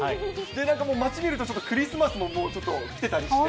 なんかもう街見ると、クリスマスももうちょっと来てたりして。